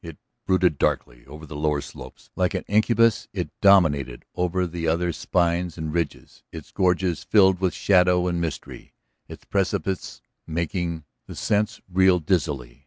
It brooded darkly over the lower slopes, like an incubus it dominated the other spines and ridges, its gorges filled with shadow and mystery, its precipices making the sense reel dizzily.